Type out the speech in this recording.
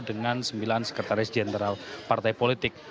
dengan sembilan sekretaris jenderal partai politik